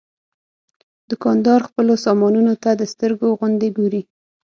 دوکاندار خپلو سامانونو ته د سترګو غوندې ګوري.